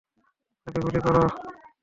তাকে গুলি করো।